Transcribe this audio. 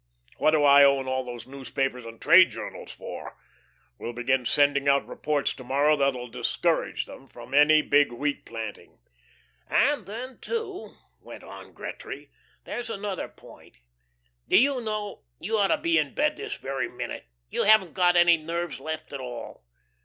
What do I own all these newspapers and trade journals for? We'll begin sending out reports to morrow that'll discourage any big wheat planting." "And then, too," went on Gretry, "here's another point. Do you know, you ought to be in bed this very minute. You haven't got any nerves left at all.